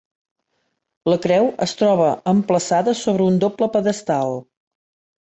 La creu es troba emplaçada sobre un doble pedestal.